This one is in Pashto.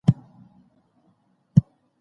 دا تعریف هم په بشپړه توګه نیمګړی برېښي.